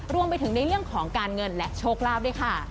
รวมไปถึงในเรื่องของการเงินและโชคลาภด้วยค่ะ